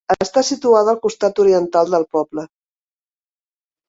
Està situada al costat oriental del poble.